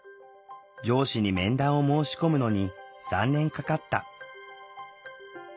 上司に面談を申し込むのに３年かかった。